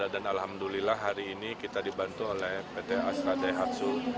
dan alhamdulillah hari ini kita dibantu oleh pt astadai hatsu